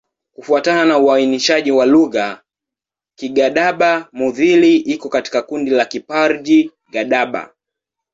Kufuatana na uainishaji wa lugha, Kigadaba-Mudhili iko katika kundi la Kiparji-Gadaba.